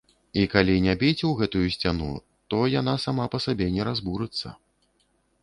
І калі не біць у гэтую сцяну, то яна сама па сабе не разбурыцца.